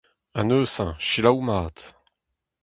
Ha neuze selaou mat.